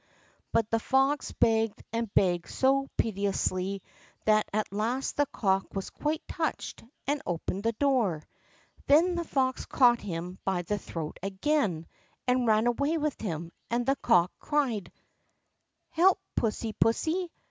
But the fox begged and begged so piteously that at last the cock was quite touched, and opened the door. Then the fox caught him by the throat again, and ran away with him, and the cock cried: "Help! pussy pussy!